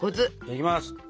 いきます。